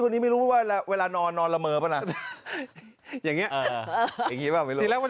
คนนี้ไม่รู้ว่าเวลานอนนอนระเมิบนะอย่างนี้จริงใช่ว่า